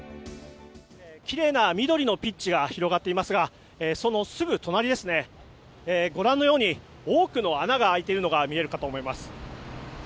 きれいな緑のピッチが広がっていますがそのすぐ隣、多くの穴が開いているのが見えると思います。